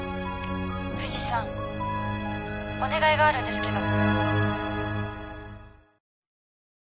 藤さんお願いがあるんですけど。